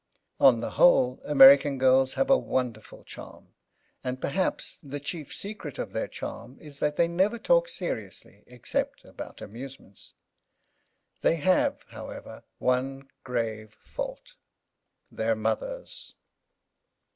On the whole, American girls have a wonderful charm and, perhaps, the chief secret of their charm is that they never talk seriously except about amusements. They have, however, one grave fault—their mothers.